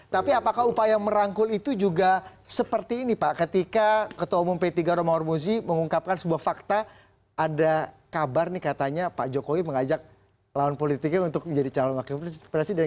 tapi apakah upaya merangkul itu juga seperti ini pak ketika ketua umum p tiga romahur muzi mengungkapkan sebuah fakta ada kabar nih katanya pak jokowi mengajak lawan politiknya untuk menjadi calon wakil presiden